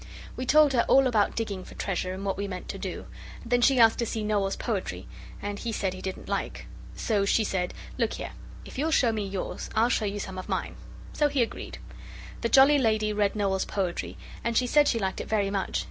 We told her all about digging for treasure, and what we meant to do. Then she asked to see Noel's poetry and he said he didn't like so she said, 'Look here if you'll show me yours I'll show you some of mine.' So he agreed. The jolly lady read Noel's poetry, and she said she liked it very much.